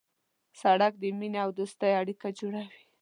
سړک د مینې او دوستۍ اړیکه جوړوي.